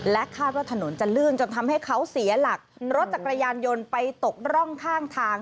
คาดว่าถนนจะลื่นจนทำให้เขาเสียหลักรถจักรยานยนต์ไปตกร่องข้างทาง